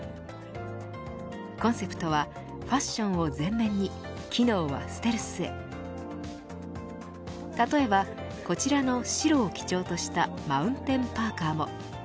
コンセプトはファッションを全面に機能はステルスへ例えば、こちらの白を基調としたマウンテンパーカーも。